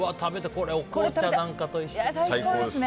これ、お紅茶なんかと一緒にね。